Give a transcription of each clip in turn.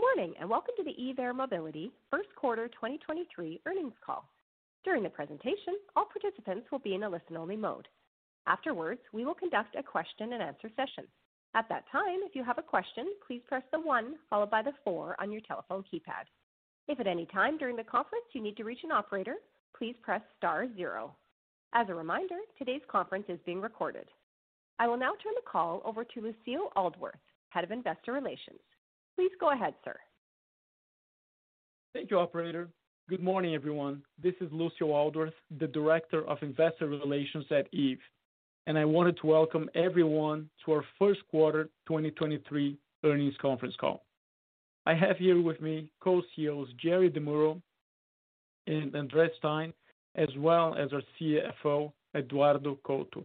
Good morning, welcome to the Eve Air Mobility first quarter 2023 earnings call. During the presentation, all participants will be in a listen-only mode. Afterwards, we will conduct a question-and-answer session. At that time, if you have a question, please press the one followed by the four on your telephone keypad. If at any time during the conference you need to reach an operator, please press star 0. As a reminder, today's conference is being recorded. I will now turn the call over to Lucio Aldworth, Head of Investor Relations. Please go ahead, sir. Thank you, operator. Good morning, everyone. This is Lucio Aldworth, the Director of Investor Relations at Eve. I wanted to welcome everyone to our first quarter 2023 earnings conference call. I have here with me co-CEOs Jerry DeMuro and André Stein, as well as our CFO, Eduardo Couto.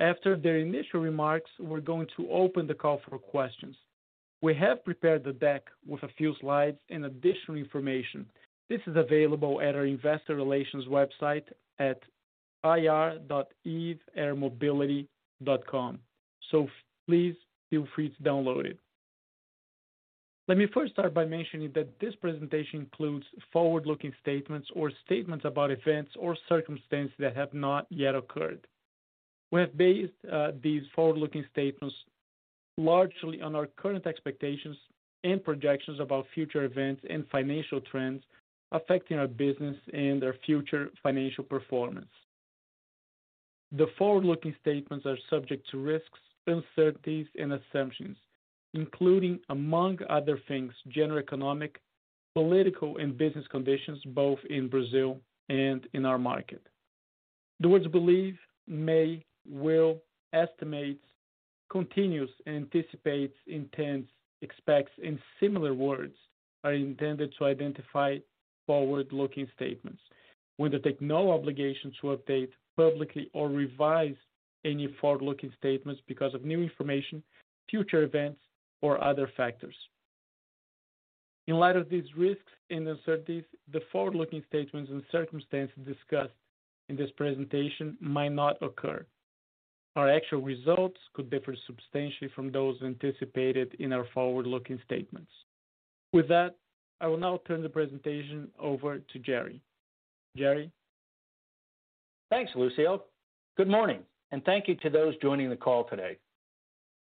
After their initial remarks, we're going to open the call for questions. We have prepared the deck with a few slides and additional information. This is available at our investor relations website at ir.eveairmobility.com. Please feel free to download it. Let me first start by mentioning that this presentation includes forward-looking statements or statements about events or circumstances that have not yet occurred. We have based these forward-looking statements largely on our current expectations and projections about future events and financial trends affecting our business and our future financial performance. The forward-looking statements are subject to risks, uncertainties, and assumptions, including, among other things, general economic, political, and business conditions, both in Brazil and in our market. The words believe, may, will, estimates, continues, anticipates, intends, expects, and similar words are intended to identify forward-looking statements. We undertake no obligation to update publicly or revise any forward-looking statements because of new information, future events, or other factors. In light of these risks and uncertainties, the forward-looking statements and circumstances discussed in this presentation might not occur. Our actual results could differ substantially from those anticipated in our forward-looking statements. With that, I will now turn the presentation over to Jerry. Jerry? Thanks, Lucio. Good morning. Thank you to those joining the call today.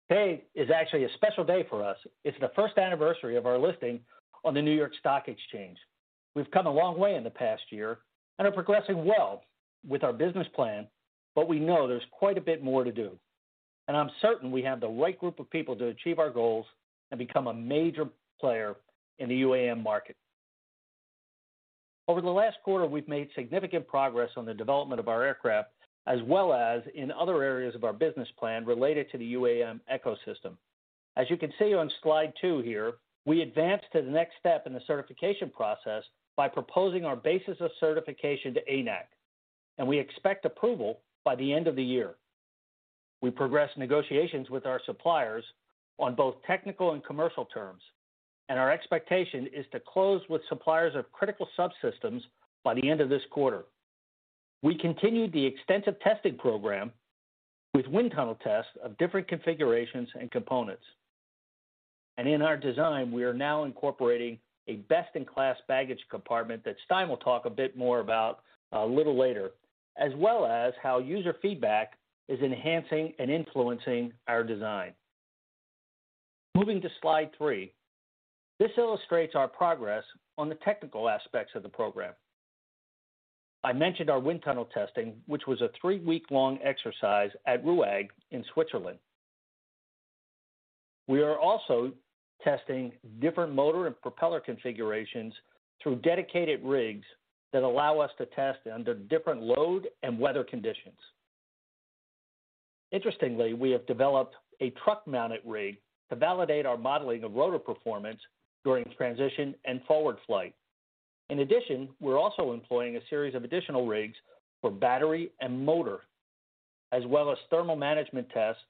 Today is actually a special day for us. It's the first anniversary of our listing on the New York Stock Exchange. We've come a long way in the past year and are progressing well with our business plan. We know there's quite a bit more to do, and I'm certain we have the right group of people to achieve our goals and become a major player in the UAM market. Over the last quarter, we've made significant progress on the development of our aircraft as well as in other areas of our business plan related to the UAM ecosystem. As you can see on slide two here, we advanced to the next step in the certification process by proposing our Basis of Certification to ANAC. We expect approval by the end of the year. We progressed negotiations with our suppliers on both technical and commercial terms. Our expectation is to close with suppliers of critical subsystems by the end of this quarter. We continued the extensive testing program with wind tunnel tests of different configurations and components. In our design, we are now incorporating a best-in-class baggage compartment that Stein will talk a bit more about a little later, as well as how user feedback is enhancing and influencing our design. Moving to slide three, this illustrates our progress on the technical aspects of the program. I mentioned our wind tunnel testing, which was a three-week-long exercise at RUAG in Switzerland. We are also testing different motor and propeller configurations through dedicated rigs that allow us to test under different load and weather conditions. Interestingly, we have developed a truck-mounted rig to validate our modeling of rotor performance during transition and forward flight. In addition, we're also employing a series of additional rigs for battery and motor, as well as thermal management tests.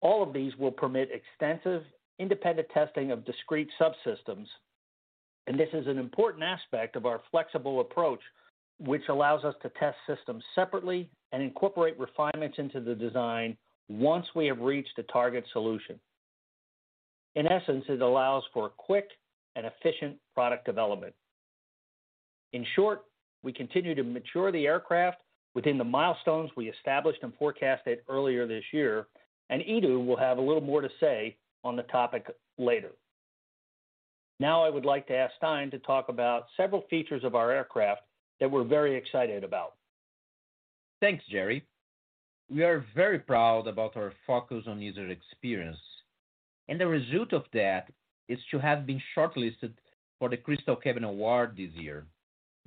All of these will permit extensive independent testing of discrete subsystems. This is an important aspect of our flexible approach, which allows us to test systems separately and incorporate refinements into the design once we have reached a target solution. In essence, it allows for quick and efficient product development. In short, we continue to mature the aircraft within the milestones we established and forecasted earlier this year. Edu will have a little more to say on the topic later. Now I would like to ask Stein to talk about several features of our aircraft that we're very excited about. Thanks, Jerry. We are very proud about our focus on user experience, and the result of that is to have been shortlisted for the Crystal Cabin Award this year.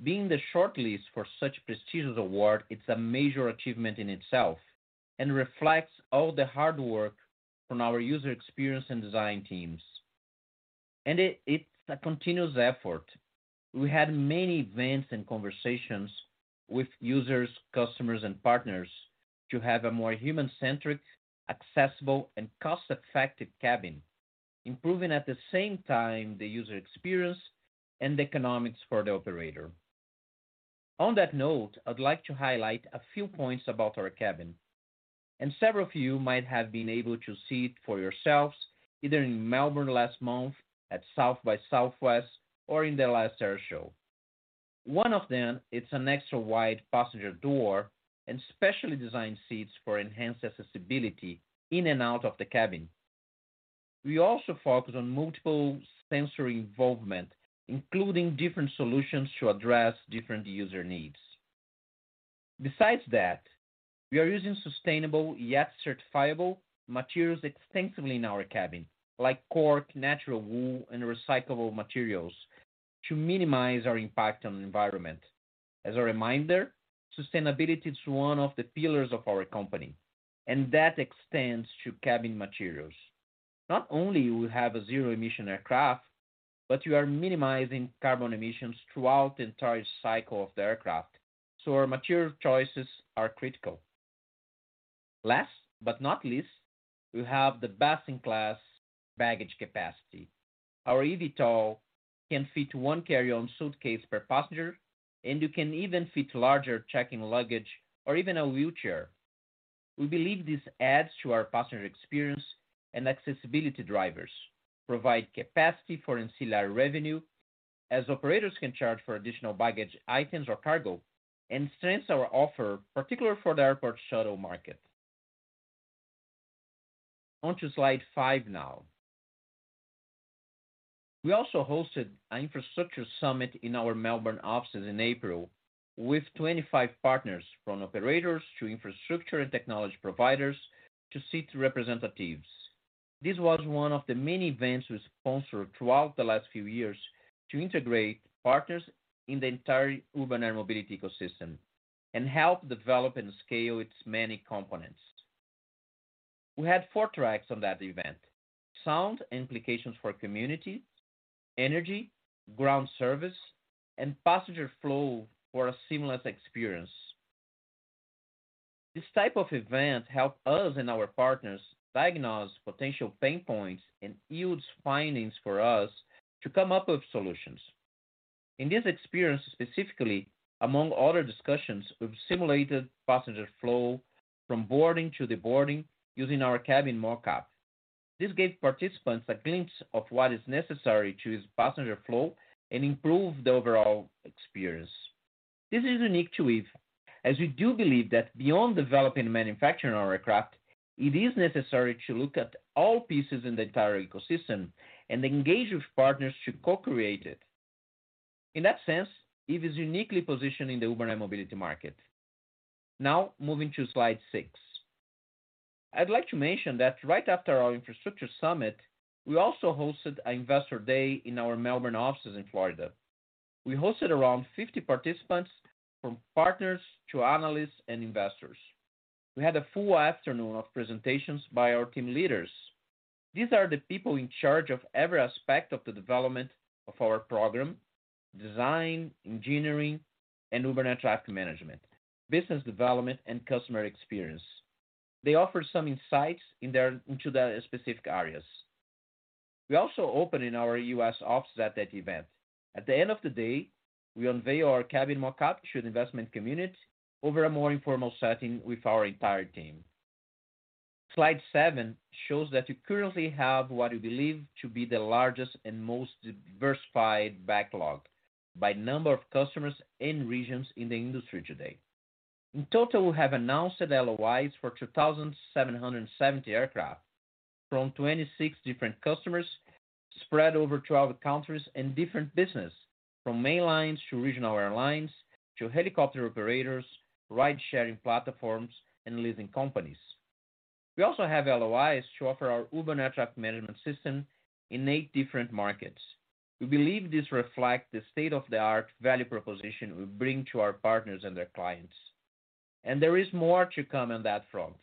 Being the shortlist for such prestigious award, it's a major achievement in itself and reflects all the hard work from our user experience and design teams. It's a continuous effort. We had many events and conversations with users, customers, and partners to have a more human-centric, accessible, and cost-effective cabin, improving at the same time the user experience and economics for the operator. On that note, I'd like to highlight a few points about our cabin, and several of you might have been able to see it for yourselves, either in Melbourne last month, at South by Southwest, or in the last air show. One of them, it's an extra wide passenger door and specially designed seats for enhanced accessibility in and out of the cabin. We also focus on multiple sensory involvement, including different solutions to address different user needs. We are using sustainable yet certifiable materials extensively in our cabin, like cork, natural wool, and recyclable materials to minimize our impact on the environment. As a reminder, sustainability is one of the pillars of our company, and that extends to cabin materials. Not only we have a zero emission aircraft, but we are minimizing carbon emissions throughout the entire cycle of the aircraft. Our material choices are critical. Last but not least, we have the best-in-class baggage capacity. Our eVTOL can fit one carry-on suitcase per passenger, and you can even fit larger check-in luggage or even a wheelchair. We believe this adds to our passenger experience and accessibility drivers, provide capacity for ancillary revenue, as operators can charge for additional baggage items or cargo, and strengthens our offer, particularly for the airport shuttle market. On to slide five now. We also hosted an infrastructure summit in our Melbourne offices in April with 25 partners, from operators to infrastructure and technology providers to city representatives. This was one of the many events we sponsored throughout the last few years to integrate partners in the entire urban air mobility ecosystem and help develop and scale its many components. We had four tracks on that event: sound, implications for community, energy, ground service, and passenger flow for a seamless experience. This type of event helps us and our partners diagnose potential pain points and yields findings for us to come up with solutions. In this experience, specifically, among other discussions, we've simulated passenger flow from boarding to deboarding using our cabin mock-up. This gave participants a glimpse of what is necessary to use passenger flow and improve the overall experience. This is unique to Eve, as we do believe that beyond developing and manufacturing our aircraft, it is necessary to look at all pieces in the entire ecosystem and engage with partners to co-create it. In that sense, Eve is uniquely positioned in the urban air mobility market. Moving to slide six. I'd like to mention that right after our infrastructure summit, we also hosted an investor day in our Melbourne offices in Florida. We hosted around 50 participants, from partners to analysts and investors. We had a full afternoon of presentations by our team leaders. These are the people in charge of every aspect of the development of our program, design, engineering, and Urban Air Traffic Management, business development, and customer experience. They offer some insights into their specific areas. We also opened our U.S. office at that event. At the end of the day, we unveil our cabin mock-up to the investment community over a more informal setting with our entire team. Slide seven shows that we currently have what we believe to be the largest and most diversified backlog by number of customers and regions in the industry today. In total, we have announced LOIs for 2,770 aircraft from 26 different customers spread over 12 countries and different business from main lines to regional airlines to helicopter operators, ride-sharing platforms, and leasing companies. We also have LOIs to offer our Urban Air Traffic Management system in eight different markets. We believe this reflect the state-of-the-art value proposition we bring to our partners and their clients. There is more to come on that front.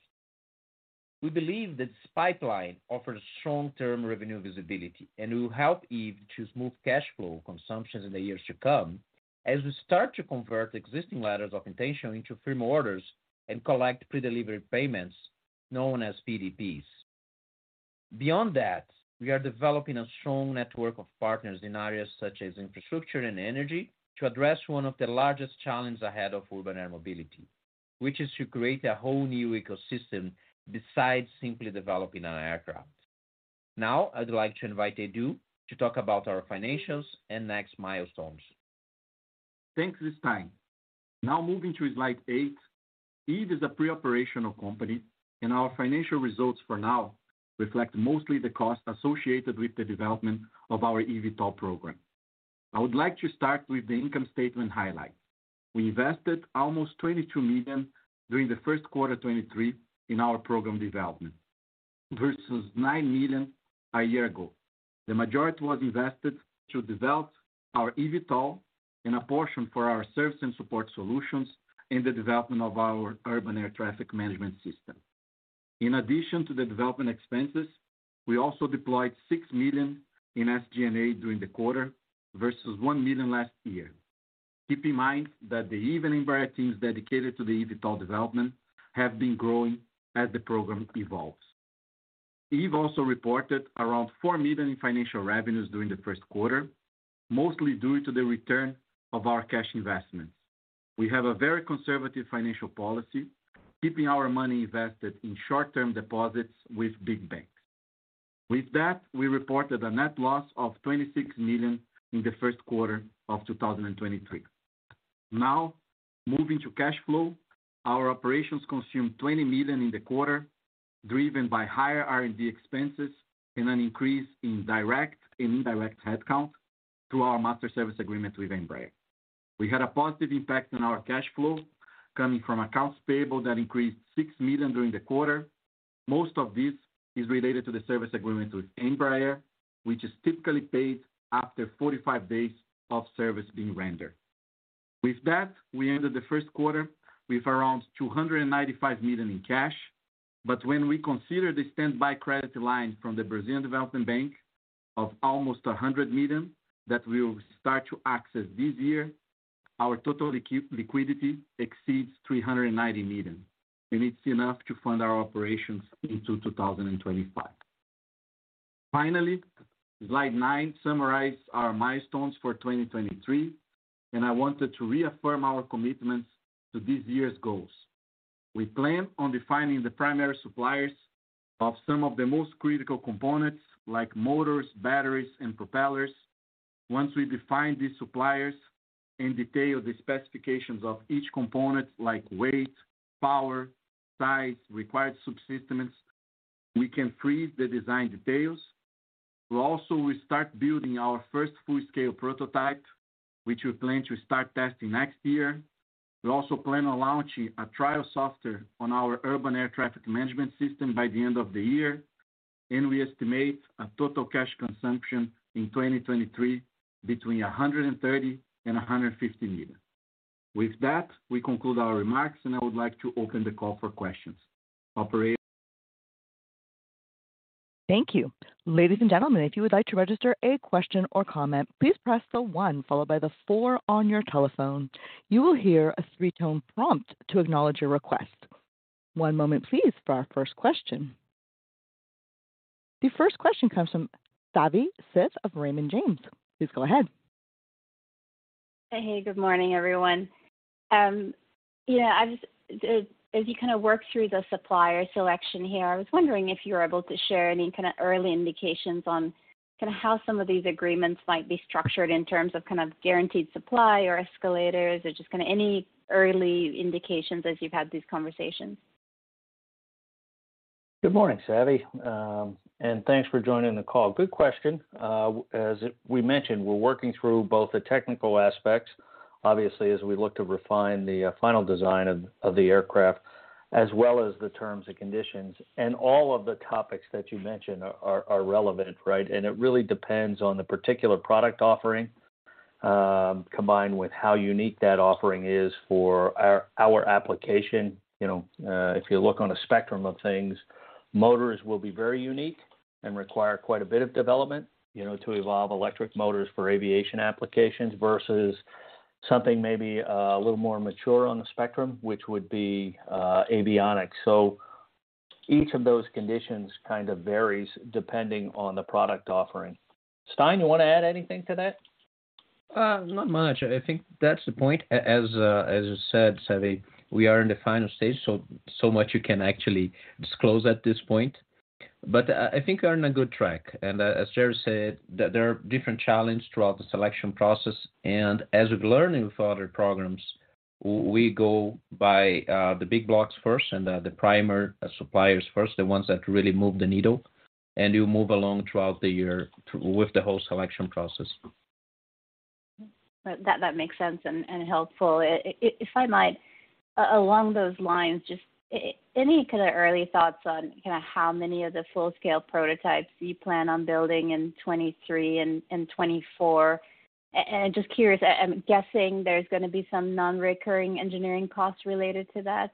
We believe that this pipeline offers strong term revenue visibility and will help Eve to smooth cash flow consumptions in the years to come as we start to convert existing Letters of Intent into firm orders and collect Pre-Delivery Payments known as PDPs. Beyond that, we are developing a strong network of partners in areas such as infrastructure and energy to address one of the largest challenge ahead of urban air mobility, which is to create a whole new ecosystem besides simply developing an aircraft. Now, I'd like to invite Edu to talk about our financials and next milestones. Thanks, Stein. Moving to slide eight. Eve is a pre-operational company, and our financial results for now reflect mostly the cost associated with the development of our eVTOL program. I would like to start with the income statement highlights. We invested almost $22 million during the first quarter 2023 in our program development versus $9 million a year ago. The majority was invested to develop our eVTOL and a portion for our service and support solutions in the development of our Urban Air Traffic Management system. In addition to the development expenses, we also deployed $6 million in SG&A during the quarter versus $1 million last year. Keep in mind that the Eve and Embraer teams dedicated to the eVTOL development have been growing as the program evolves. We've also reported around $4 million in financial revenues during the first quarter, mostly due to the return of our cash investments. We have a very conservative financial policy, keeping our money invested in short-term deposits with big banks. With that, we reported a net loss of $26 million in the first quarter of 2023. Moving to cash flow. Our operations consumed $20 million in the quarter, driven by higher R&D expenses and an increase in direct and indirect headcount through our master service agreement with Embraer. We had a positive impact on our cash flow coming from accounts payable that increased $6 million during the quarter. Most of this is related to the service agreement with Embraer, which is typically paid after 45 days of service being rendered. With that, we ended the first quarter with around $295 million in cash. When we consider the standby credit line from the Brazilian Development Bank of almost $100 million that we will start to access this year, our total liquidity exceeds $390 million, and it's enough to fund our operations into 2025. Finally, slide nine summarizes our milestones for 2023, and I wanted to reaffirm our commitment to this year's goals. We plan on defining the primary suppliers of some of the most critical components like motors, batteries, and propellers. Once we define these suppliers and detail the specifications of each component, like weight, power, size, required subsystems, we can freeze the design details. We'll also start building our first full-scale prototype, which we plan to start testing next year. We also plan on launching a trial software on our Urban Air Traffic Management system by the end of the year. We estimate a total cash consumption in 2023 between $130 million and $150 million. With that, we conclude our remarks. I would like to open the call for questions. Operator. Thank you. Ladies and gentlemen, if you would like to register a question or comment, please press the one followed by the four on your telephone. You will hear a three-tone prompt to acknowledge your request. One moment please for our first question. The first question comes from Savanthi Syth of Raymond James. Please go ahead. Hey. Good morning, everyone. Yeah, as you kind of work through the supplier selection here, I was wondering if you were able to share any kind of early indications on kind of how some of these agreements might be structured in terms of kind of guaranteed supply or escalators or just kind of any early indications as you've had these conversations. Good morning, Savi, thanks for joining the call. Good question. As we mentioned, we're working through both the technical aspects, obviously, as we look to refine the final design of the aircraft, as well as the terms and conditions, and all of the topics that you mentioned are relevant, right? It really depends on the particular product offering, combined with how unique that offering is for our application. You know, if you look on a spectrum of things, motors will be very unique and require quite a bit of development, you know, to evolve electric motors for aviation applications versus something maybe a little more mature on the spectrum, which would be avionics. Each of those conditions kind of varies depending on the product offering. Stein, you want to add anything to that? Not much. I think that's the point. As you said, Savi, we are in the final stage, so much you can actually disclose at this point. I think we're on a good track. As Jerry said, there are different challenge throughout the selection process, and as we've learned with other programs, we go by the big blocks first and the primer suppliers first, the ones that really move the needle, and you move along throughout the year with the whole selection process. That makes sense and helpful. If I might, along those lines, just any kind of early thoughts on kind of how many of the full scale prototypes do you plan on building in 23 and 24? And just curious, I'm guessing there's gonna be some non-recurring engineering costs related to that.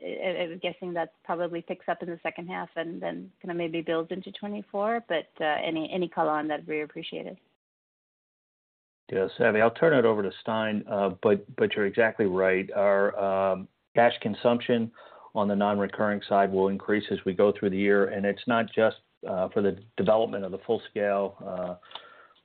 I'm guessing that probably picks up in the second half and then kind of maybe builds into 24. Any color on that, be appreciated. Yeah. Savi, I'll turn it over to Stein, but you're exactly right. Our cash consumption on the non-recurring side will increase as we go through the year. It's not just for the development of the full scale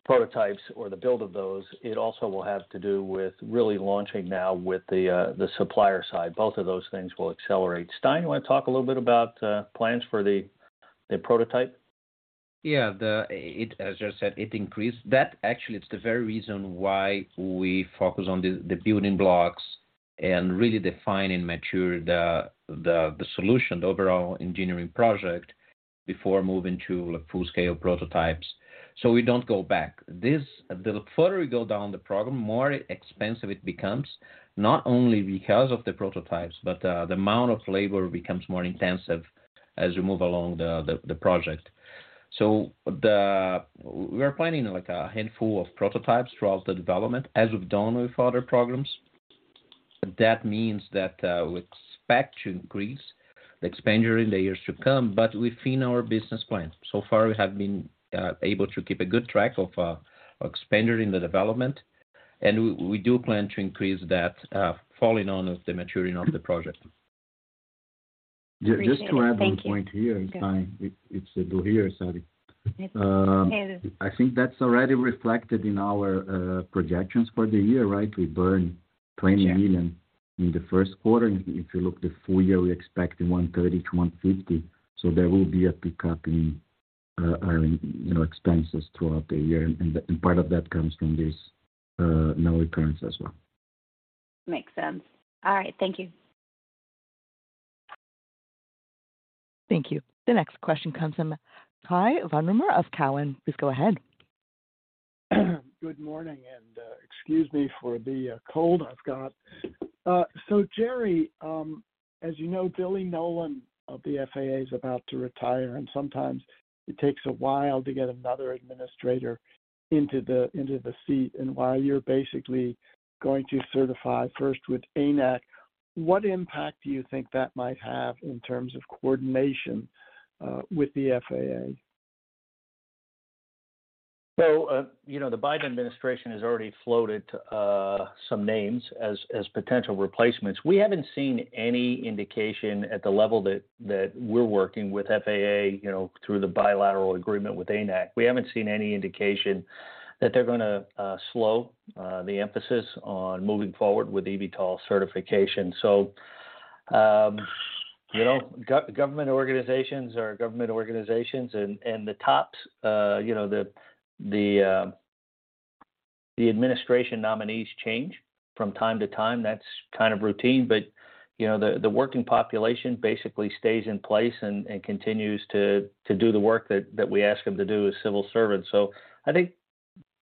prototypes or the build of those. It also will have to do with really launching now with the supplier side. Both of those things will accelerate. Stein, you want to talk a little bit about plans for the prototype? Yeah. As Jerry said, it increased. That actually is the very reason why we focus on the building blocks and really define and mature the, the solution, the overall engineering project before moving to full-scale prototypes. We don't go back. The further we go down the program, more expensive it becomes, not only because of the prototypes, but the amount of labor becomes more intensive as we move along the, the project. We are planning, like, a handful of prototypes throughout the development, as we've done with other programs. That means that we expect to increase the expenditure in the years to come, but within our business plan. So far we have been able to keep a good track of expenditure in the development. We do plan to increase that, following on of the maturing of the project. Appreciate it. Thank you. Just to add 1 point here in time. It's still here, Savi. It is. I think that's already reflected in our projections for the year, right? We burned $20 million. Yeah In the first quarter, if you look the full year, we're expecting $130-$150. There will be a pickup in our, you know, expenses throughout the year, and part of that comes from this non-recurrence as well. Makes sense. All right. Thank you. Thank you. The next question comes from Cai von Rumohr of Cowen. Please go ahead. Good morning, excuse me for the cold I've got. Jerry, as you know, Billy Nolen of the FAA is about to retire, and sometimes it takes a while to get another administrator into the seat. While you're basically going to certify first with ANAC, what impact do you think that might have in terms of coordination with the FAA? You know, the Biden administration has already floated some names as potential replacements. We haven't seen any indication at the level that we're working with FAA, you know, through the bilateral agreement with ANAC. We haven't seen any indication that they're gonna slow the emphasis on moving forward with eVTOL certification. You know, government organizations are government organizations and the tops, you know, the administration nominees change from time to time. That's kind of routine. You know, the working population basically stays in place and continues to do the work that we ask them to do as civil servants. I think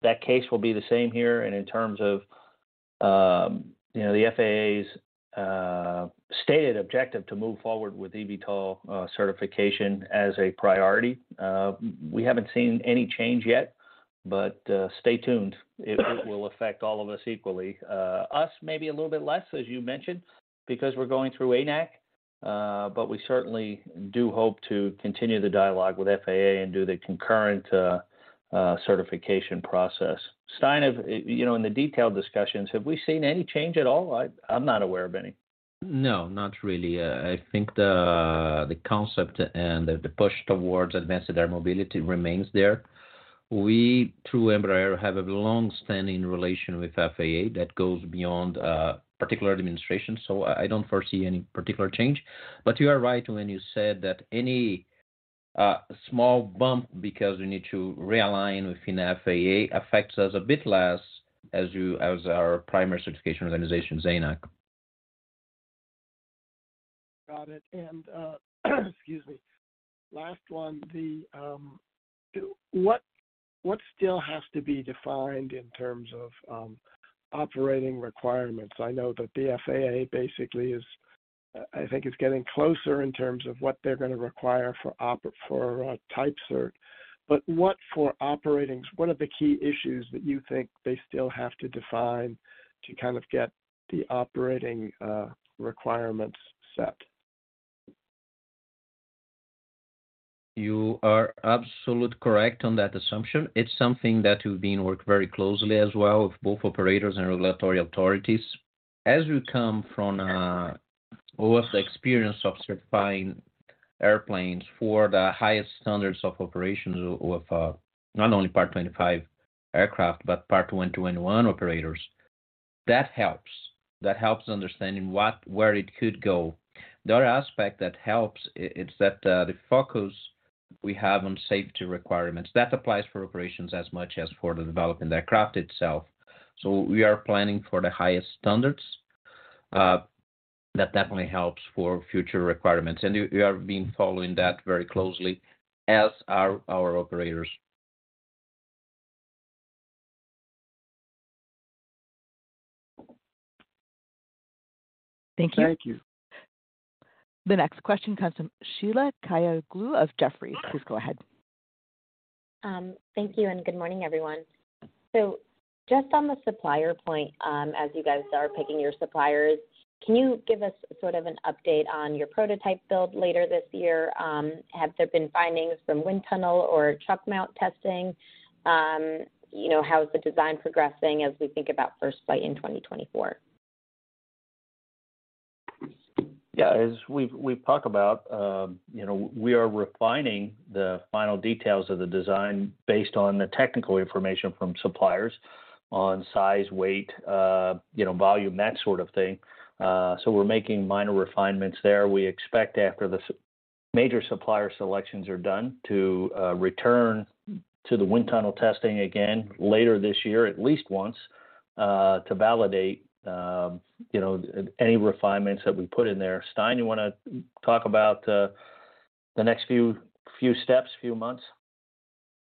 that case will be the same here. In terms of, you know, the FAA's stated objective to move forward with eVTOL certification as a priority, we haven't seen any change yet, but stay tuned. It will affect all of us equally. Us maybe a little bit less, as you mentioned, because we're going through ANAC, but we certainly do hope to continue the dialogue with FAA and do the concurrent certification process. Stein, you know, in the detailed discussions, have we seen any change at all? I'm not aware of any. No, not really. I think the concept and the push towards Advanced Air Mobility remains there. We, through Embraer, have a long-standing relation with FAA that goes beyond a particular administration, so I don't foresee any particular change. You are right when you said that any small bump because we need to realign within FAA affects us a bit less as you, as our primary certification organization is ANAC. Got it. Excuse me. Last one, what still has to be defined in terms of operating requirements? I know that the FAA basically, I think is getting closer in terms of what they're gonna require for type cert. What, for operating, what are the key issues that you think they still have to define to kind of get the operating requirements set? You are absolute correct on that assumption. It's something that we've been working very closely as well with both operators and regulatory authorities. As we come from, all of the experience of certifying airplanes for the highest standards of operations with, not only Part 25 aircraft, but Part 121 operators, that helps. That helps understanding what, where it could go. The other aspect that helps is that the focus we have on safety requirements, that applies for operations as much as for the development of the aircraft itself. So we are planning for the highest standards. That definitely helps for future requirements. And we have been following that very closely, as are our operators. Thank you. Thank you. The next question comes from Sheila Kahyaoglu of Jefferies. Please go ahead. Thank you and good morning, everyone. Just on the supplier point, as you guys are picking your suppliers, can you give us sort of an update on your prototype build later this year? Have there been findings from wind tunnel or sting mount testing? You know, how is the design progressing as we think about first flight in 2024? As we've talked about, you know, we are refining the final details of the design based on the technical information from suppliers on size, weight, you know, volume, that sort of thing. We're making minor refinements there. We expect after the major supplier selections are done to return to the wind tunnel testing again later this year at least once, to validate, you know, any refinements that we put in there. Stein, you wanna talk about the next few steps, few months?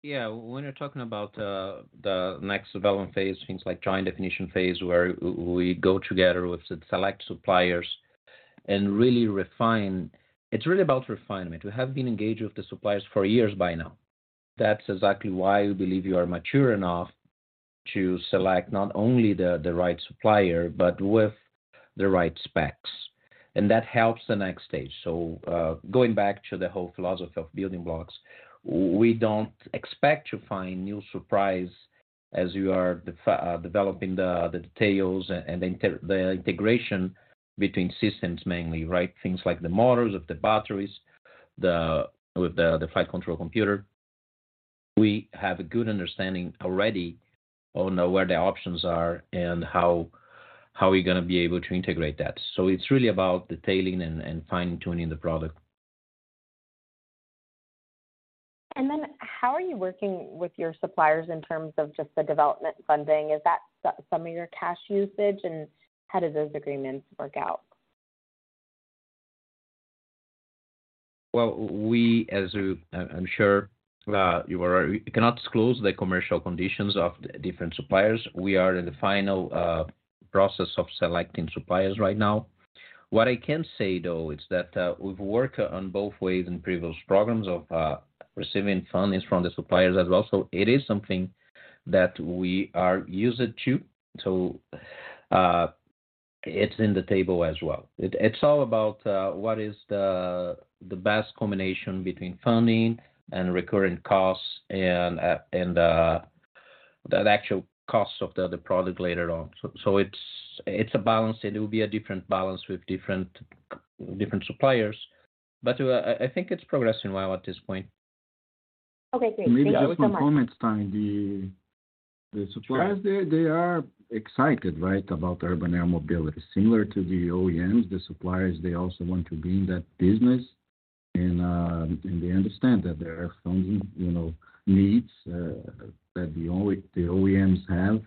When you're talking about the next development phase, things like Joint Definition Phase, where we go together with the select suppliers and really refine. It's really about refinement. We have been engaged with the suppliers for years by now. That's exactly why we believe we are mature enough to select not only the right supplier, but with the right specs. That helps the next stage. Going back to the whole philosophy of building blocks, we don't expect to find new surprise as you are developing the details and the integration between systems mainly, right? Things like the models of the batteries, the, with the flight control computer. We have a good understanding already on know where the options are and how we're gonna be able to integrate that. It's really about detailing and fine-tuning the product. How are you working with your suppliers in terms of just the development funding? Is that some of your cash usage, and how do those agreements work out? Well, we cannot disclose the commercial conditions of different suppliers. We are in the final process of selecting suppliers right now. What I can say though is that we've worked on both ways in previous programs of receiving fundings from the suppliers as well. It is something that we are used to. It's in the table as well. It's all about what is the best combination between funding and recurring costs and and the actual costs of the other product later on. It's a balance. It will be a different balance with different suppliers. I think it's progressing well at this point. Okay, great. Thank you so much. Maybe I would comment, Stein. The suppliers... Sure. They are excited, right? About urban air mobility. Similar to the OEMs, the suppliers, they also want to be in that business and they understand that there are funding, you know, needs that the OEMs have.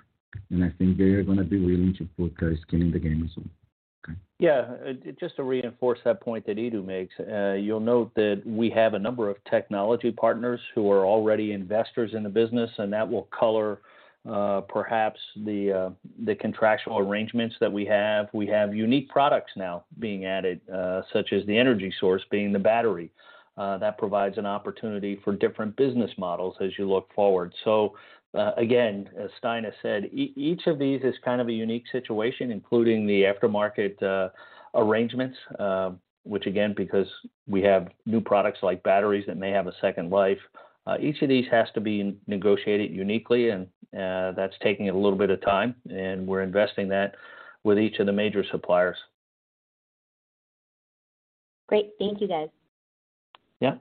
I think they are gonna be willing to put skin in the game. Okay. Yeah. Just to reinforce that point that Edu makes, you'll note that we have a number of technology partners who are already investors in the business, that will color perhaps the contractual arrangements that we have. We have unique products now being added, such as the energy source being the battery, that provides an opportunity for different business models as you look forward. Again, as Stein has said, each of these is kind of a unique situation, including the aftermarket arrangements, which again, because we have new products like batteries that may have a second life, each of these has to be negotiated uniquely and that's taking a little bit of time, and we're investing that with each of the major suppliers. Great. Thank you guys. Yeah.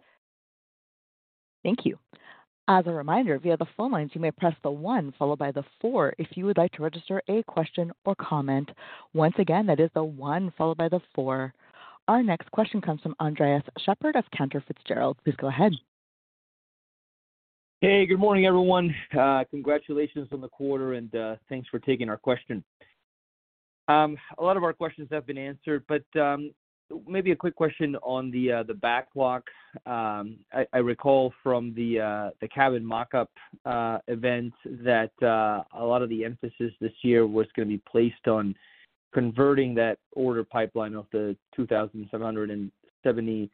Thank you. As a reminder, via the phone lines, you may press the one followed by the four if you would like to register a question or comment. Once again, that is the one followed by the four. Our next question comes from Andres Sheppard of Cantor Fitzgerald. Please go ahead. Hey, good morning everyone. Congratulations on the quarter and thanks for taking our question. A lot of our questions have been answered, but maybe a quick question on the backlog. I recall from the cabin mock-up event that a lot of the emphasis this year was gonna be placed on converting that order pipeline of the 2,770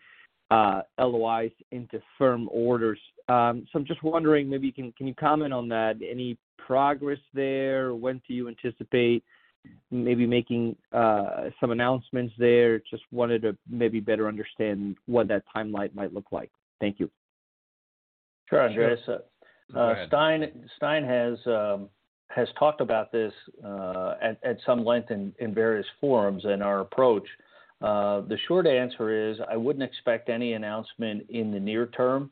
LOIs into firm orders. I'm just wondering, maybe can you comment on that? Any progress there? When do you anticipate maybe making some announcements there? Just wanted to maybe better understand what that timeline might look like. Thank you. Sure. Sure. Stein has talked about this at some length in various forums and our approach. The short answer is I wouldn't expect any announcement in the near term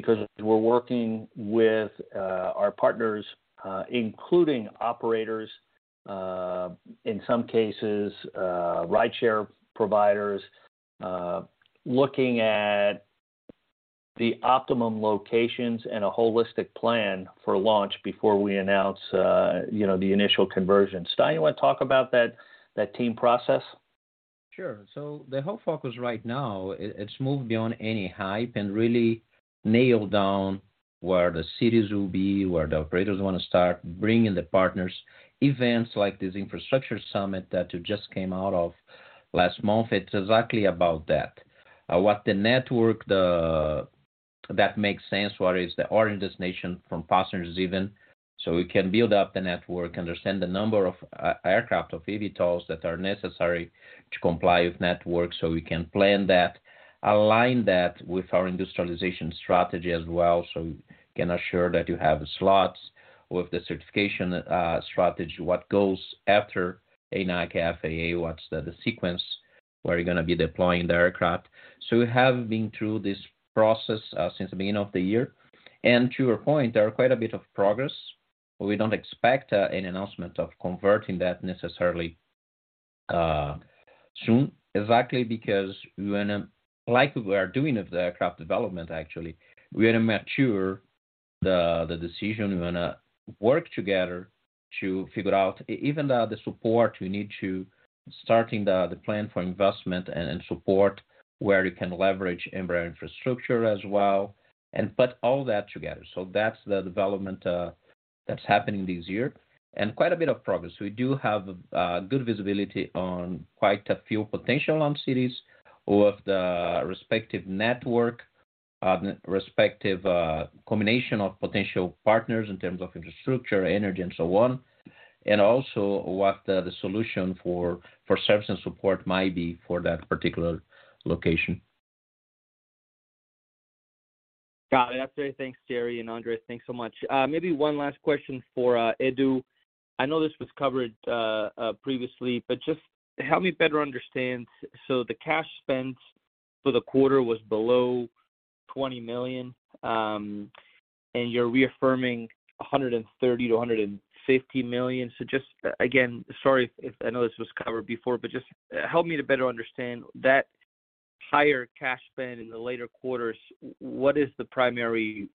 because we're working with our partners, including operators, in some cases, rideshare providers, looking at the optimum locations and a holistic plan for launch before we announce, you know, the initial conversion. Stein, you wanna talk about that team process? Sure. The whole focus right now it's moved beyond any hype and really nail down where the cities will be, where the operators wanna start, bringing the partners. Events like this infrastructure summit that you just came out of last month, it's exactly about that. What the network that makes sense, what is the origin destination from passengers even, so we can build up the network, understand the number of aircraft or eVTOLs that are necessary to comply with network, so we can plan that, align that with our industrialization strategy as well, so we can assure that you have slots with the certification strategy, what goes after ANAC, FAA, what's the sequence, where you're gonna be deploying the aircraft. We have been through this process, since the beginning of the year. To your point, there are quite a bit of progress. We don't expect any announcement of converting that necessarily soon exactly because we wanna like we are doing with the aircraft development actually, we wanna mature the decision. We wanna work together to figure out even the support we need to starting the plan for investment and support where you can leverage Embraer infrastructure as well and put all that together. That's the development that's happening this year. Quite a bit of progress. We do have good visibility on quite a few potential launch cities with the respective network. The respective combination of potential partners in terms of infrastructure, energy, and so on. Also what the solution for service and support might be for that particular location. Got it. That's very. Thanks, Jerry and André. Thanks so much. Maybe one last question for Edu. I know this was covered previously, but just help me better understand. The cash spend for the quarter was below $20 million, and you're reaffirming $130 million-$150 million. Just again, sorry if I know this was covered before, but just help me to better understand that higher cash spend in the later quarters, what is the primary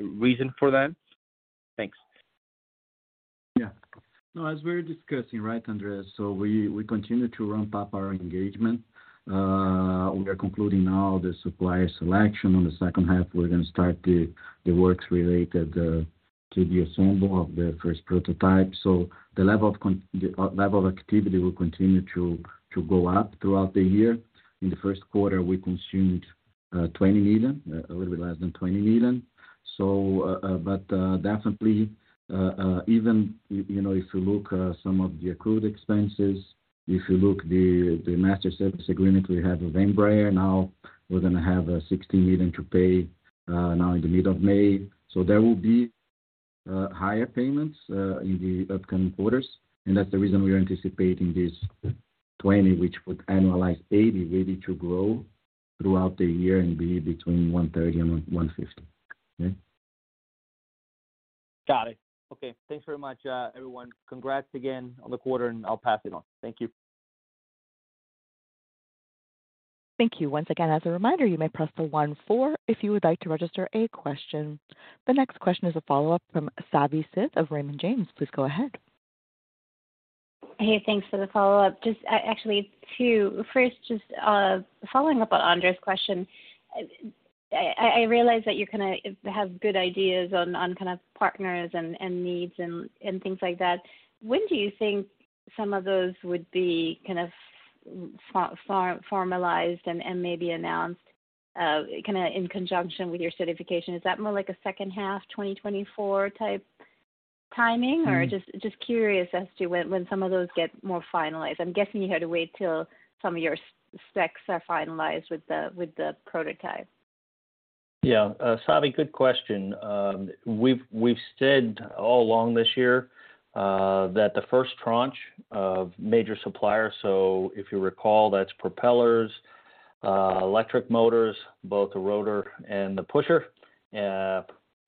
reason for that? Thanks. Yeah. No, as we were discussing, right, André Stein? We continue to ramp up our engagement. We are concluding now the supplier selection. On the second half, we're gonna start the works related to the assembly of the first prototype. The level of activity will continue to go up throughout the year. In the first quarter, we consumed $20 million, a little bit less than $20 million. Definitely, you know, if you look some of the accrued expenses, if you look the master service agreement we have with Embraer, now we're gonna have $60 million to pay now in the middle of May. There will be higher payments in the upcoming quarters. That's the reason we are anticipating this t-20, which would annualize $80, ready to grow throughout the year and be between $130 and $150. Okay? Got it. Okay. Thanks very much, everyone. Congrats again on the quarter. I'll pass it on. Thank you. Thank you. Once again, as a reminder, you may press for one four if you would like to register a question. The next question is a follow-up from Savi Syth of Raymond James. Please go ahead. Hey, thanks for the follow-up. Just, actually two. First, just, following up on André's question, I, I realize that you're gonna have good ideas on kind of partners and needs and things like that. When do you think some of those would be kind of formalized and maybe announced, kinda in conjunction with your certification? Is that more like a second half 2024 type timing? Mm-hmm. Just curious as to when some of those get more finalized. I'm guessing you had to wait till some of your specs are finalized with the prototype. Savi, good question. We've said all along this year that the first tranche of major suppliers, so if you recall, that's propellers, electric motors, both the rotor and the pusher,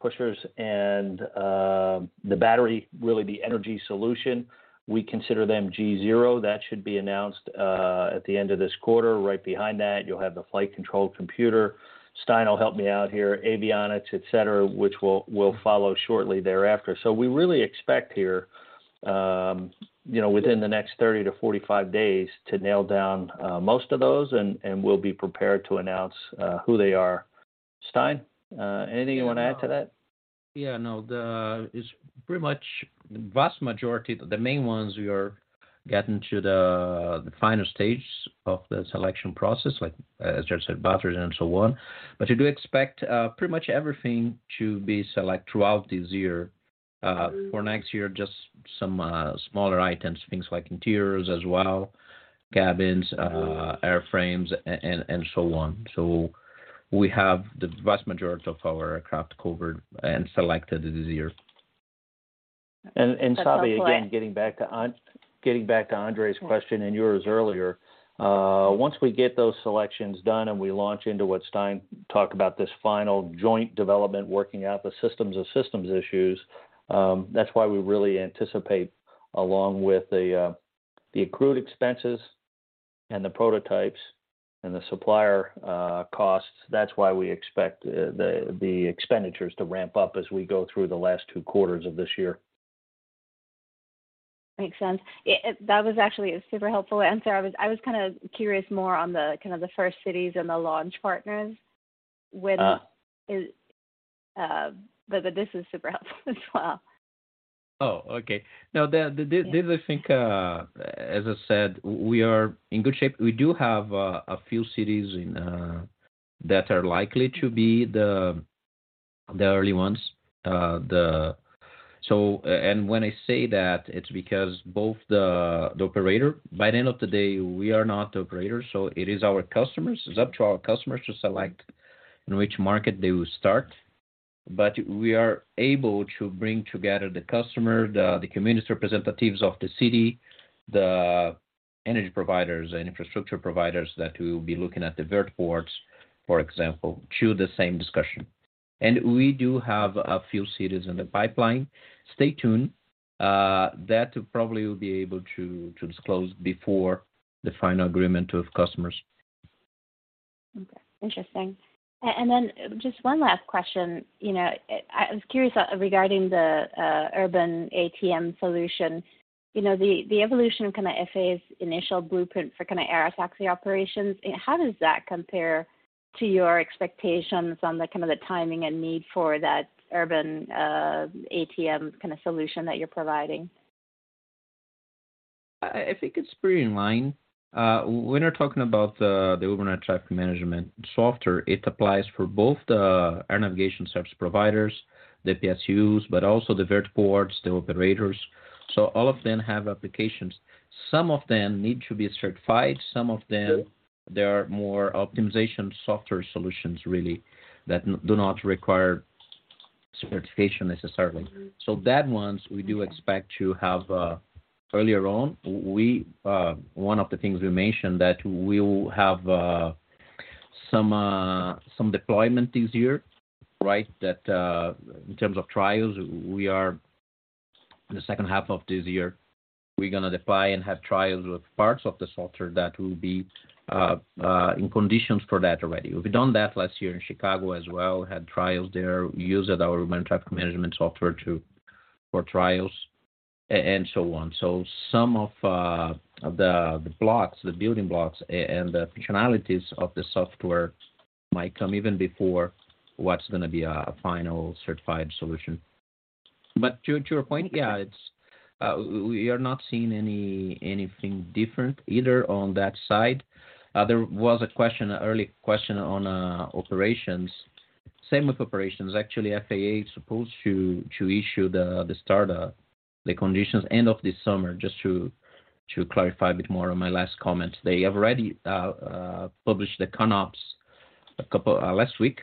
pushers, and the battery, really the energy solution, we consider them G-0. That should be announced at the end of this quarter. Right behind that, you'll have the flight control computer. Stein will help me out here, avionics, et cetera, which will follow shortly thereafter. We really expect here, you know, within the next 30-45 days to nail down most of those, and we'll be prepared to announce who they are. Stein, anything you wanna add to that? No, it's pretty much the vast majority, the main ones we are getting to the final stages of the selection process like, as Jerry said, batteries and so on. We do expect pretty much everything to be select throughout this year. For next year, just some smaller items, things like interiors as well, cabins, airframes, and so on. We have the vast majority of our craft covered and selected this year. That's helpful. Savi, again, getting back to Andre's question and yours earlier, once we get those selections done and we launch into what Stein talked about, this final joint development, working out the systems of systems issues, that's why we really anticipate along with the accrued expenses and the prototypes and the supplier costs, that's why we expect the expenditures to ramp up as we go through the last two quarters of this year. Makes sense. That was actually a super helpful answer. I was kind of curious more on the, kind of the first cities and the launch partners. Uh- This is super helpful as well. Okay. No, this I think, as I said, we are in good shape. We do have a few cities in that are likely to be the early ones. When I say that, it's because both the operator. By the end of the day, we are not the operator, it is our customers. It's up to our customers to select in which market they will start. We are able to bring together the customer, the community representatives of the city, the energy providers and infrastructure providers that will be looking at the vertiports, for example, to the same discussion. We do have a few cities in the pipeline. Stay tuned. That probably we'll be able to disclose before the final agreement with customers. Okay. Interesting. Then just one last question. You know, I was curious regarding the urban ATM solution. You know, the evolution of kinda FAA's initial blueprint for kinda air taxi operations, how does that compare to your expectations on the kind of the timing and need for that urban ATM kinda solution that you're providing? I think it's pretty in line. When we're talking about the Urban Air Traffic Management software, it applies for both the air navigation service providers, the PSUs, but also the vertiports, the operators. All of them have applications. Some of them need to be certified, some of them. Mm-hmm ...they are more optimization software solutions really that do not require certification necessarily. Mm-hmm. That ones we do expect to have earlier on. We, one of the things we mentioned that we will have some deployment this year, right? That, in terms of trials, we are in the second half of this year, we're gonna deploy and have trials with parts of the software that will be in conditions for that already. We've done that last year in Chicago as well, had trials there, used our urban traffic management software to, for trials and so on. Some of the blocks, the building blocks and the functionalities of the software might come even before what's gonna be a final certified solution. To your point, yeah, it's, we are not seeing anything different either on that side. There was a question, an early question on operations. Same with operations. Actually, FAA is supposed to issue the startup, the conditions end of this summer, just to clarify a bit more on my last comment. They have already published the ConOps a couple last week.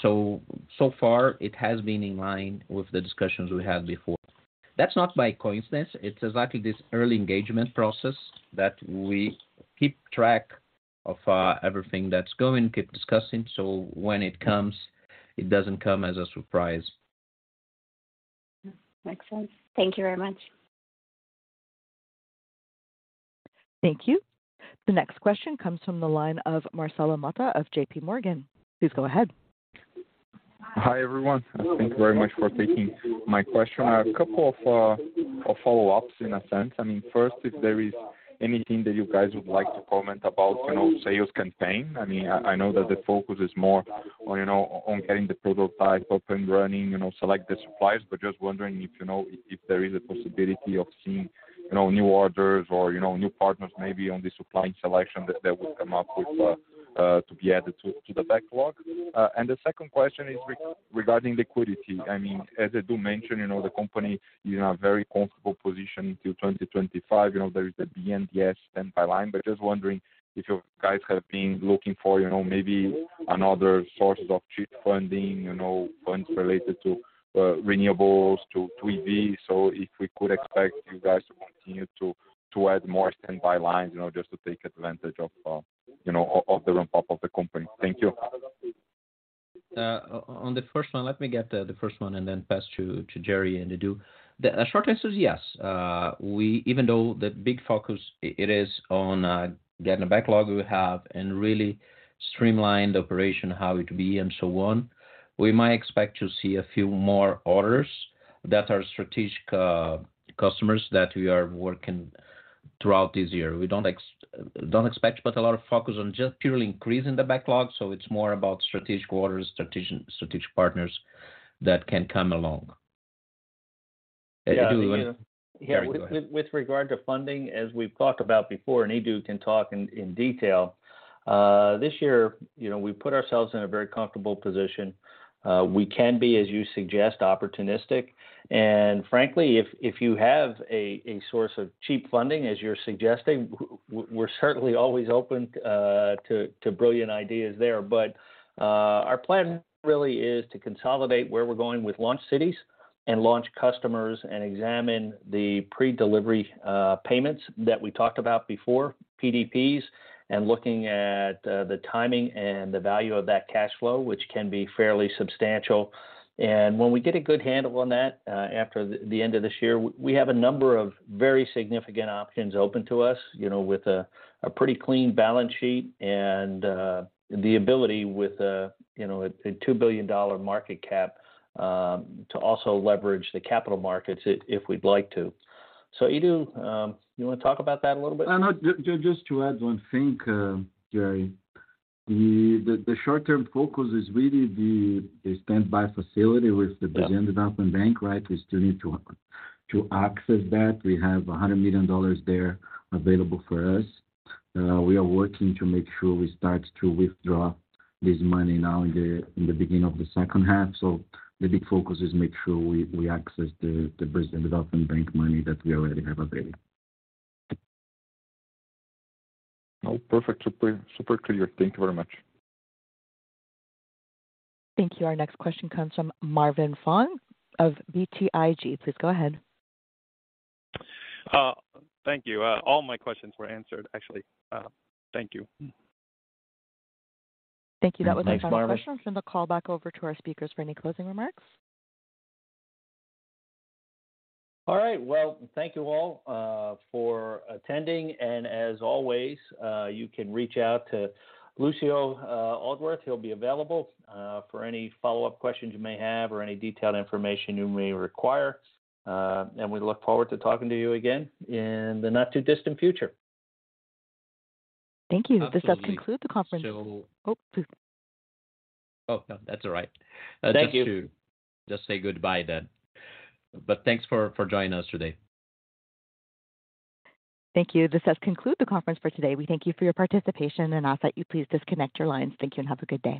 So far it has been in line with the discussions we had before. That's not by coincidence. It's exactly this early engagement process that we keep track of everything that's going, keep discussing, so when it comes, it doesn't come as a surprise. Makes sense. Thank you very much. Thank you. The next question comes from the line of Marcelo Motta of JP Morgan. Please go ahead. Hi, everyone, and thank you very much for taking my question. A couple of follow-ups in a sense. I mean, first, if there is anything that you guys would like to comment about, you know, sales campaign. I mean, I know that the focus is more on, you know, on getting the prototype up and running, you know, select the suppliers, but just wondering if you know if there is a possibility of seeing, you know, new orders or, you know, new partners maybe on the supply selection that would come up with to be added to the backlog. The second question is regarding liquidity. I mean, as I do mention, you know, the company is in a very comfortable position until 2025. You know, there is a BNDES standby line. just wondering if you guys have been looking for, you know, maybe another sources of cheap funding, you know, funds related to renewables, to EV. If we could expect you guys to continue to add more standby lines, you know, just to take advantage of, you know, of the ramp up of the company. Thank you. On the first one, let me get the first one and then pass to Jerry and Edu. The short answer is yes. Even though the big focus is on getting the backlog we have and really streamline the operation, how it be and so on, we might expect to see a few more orders that are strategic customers that we are working throughout this year. We don't expect, but a lot of focus on just purely increasing the backlog, so it's more about strategic orders, strategic partners that can come along. Edu, you wanna... Yeah. Jerry, go ahead. ...with regard to funding, as we've talked about before, Edu can talk in detail, this year, you know, we put ourselves in a very comfortable position. We can be, as you suggest, opportunistic. Frankly, if you have a source of cheap funding, as you're suggesting, we're certainly always open to brilliant ideas there. Our plan really is to consolidate where we're going with launch cities and launch customers and examine the pre-delivery payments that we talked about before, PDPs, and looking at the timing and the value of that cash flow, which can be fairly substantial. When we get a good handle on that, after the end of this year, we have a number of very significant options open to us, you know, with a pretty clean balance sheet and the ability with a, you know, a $2 billion market cap to also leverage the capital markets if we'd like to. Edu, you wanna talk about that a little bit? No, just to add one thing, Jerry. The short term focus is really the standby facility with the Yeah ...Brazilian Development Bank, right? We still need to access that. We have $100 million there available for us. We are working to make sure we start to withdraw this money now in the beginning of the second half. The big focus is make sure we access the Brazilian Development Bank money that we already have available. Oh, perfect. Super, super clear. Thank you very much. Thank you. Our next question comes from Marvin Fong of BTIG. Please go ahead. Thank you. All my questions were answered, actually. Thank you. Thank you. That was the last question. Thanks, Marvin. I'll turn the call back over to our speakers for any closing remarks. All right. Well, thank you all for attending. As always, you can reach out to Lucio Aldworth. He'll be available for any follow-up questions you may have or any detailed information you may require. We look forward to talking to you again in the not too distant future. Thank you. Absolutely. This does conclude the conference. So- Oh, please. Oh, no, that's all right. Thank you. Just to say goodbye then. Thanks for joining us today. Thank you. This does conclude the conference for today. We thank you for your participation, and I'll thank you. Please disconnect your lines. Thank you and have a good day.